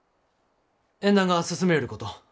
縁談が進みょうること。